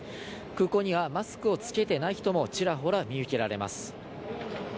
空港にはマスクを着けてない人もちらほら見受けられます。